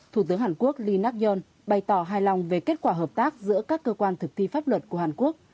thủ tướng hàn quốc lee nak yong bày tỏ hài lòng về kết quả hợp tác giữa các cơ quan thực thi pháp luật của hàn quốc